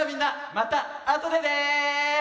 またあとでね！